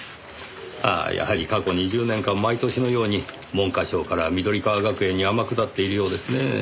ああやはり過去２０年間毎年のように文科省から緑川学園に天下っているようですねぇ。